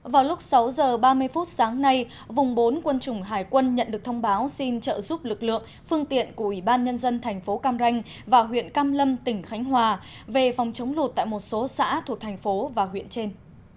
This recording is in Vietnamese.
vào lúc sáu h ba mươi phút sáng nay vùng bốn quân chủng hải quân nhận được thông báo xin trợ giúp lực lượng phương tiện của ủy ban nhân dân thành phố cam ranh và huyện cam lâm tỉnh khánh hòa về phòng chống lụt tại một số xã thuộc thành phố và huyện trên